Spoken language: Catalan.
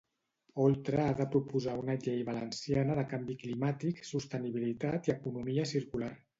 Oltra ha de proposar una llei valenciana de canvi climàtic, sostenibilitat i economia circular.